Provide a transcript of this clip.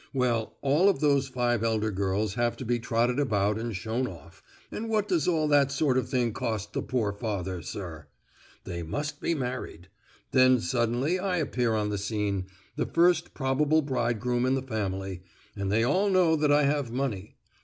Well, all those five elder girls have to be trotted about and shown off, and what does all that sort of thing cost the poor father, sir? They must be married. Then suddenly I appear on the scene—the first probable bridegroom in the family, and they all know that I have money.